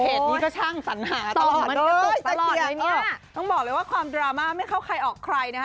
นี้ก็ช่างสัญหาตลอดเลยเนี่ยต้องบอกเลยว่าความดราม่าไม่เข้าใครออกใครนะฮะ